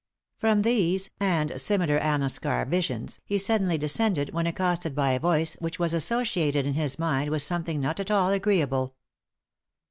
From these, and similar AInaschar visions, be suddenly descended when accosted by a voice which was associated in his mind with something not at all agreeable.